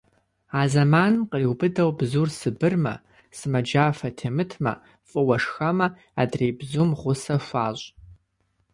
А зэманым къриубыдэу бзур сабырмэ, сымаджафэ темытмэ, фӏыуэ шхэмэ, адрей бзум гъусэ хуащӏ.